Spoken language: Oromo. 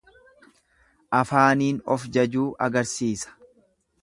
Afaaniin of jajuu agarsiisa.